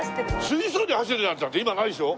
水素で走るなんて今ないでしょ？